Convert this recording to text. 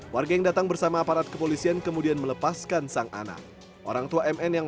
warga yang datang bersama aparat kepolisian kemudian melepaskan sang anak orang tua mn yang